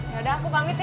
ya udah aku pamit ya